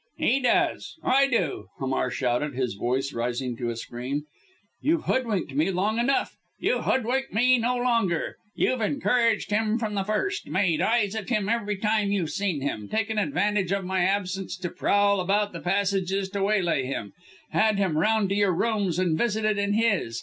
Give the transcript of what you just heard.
"He does I do!" Hamar shouted his voice rising to a scream. "You've hoodwinked me long enough you hoodwink me no longer. You've encouraged him from the first made eyes at him every time you've seen him taken advantage of my absence to prowl about the passages to waylay him had him round to your rooms and visited him in his.